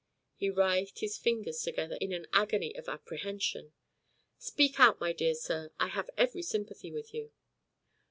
He writhed his fingers together in an agony of apprehension. "Speak out, my dear sir. I have every sympathy with you."